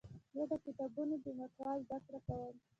زه د کتابونو د محتوا زده کړه کوم.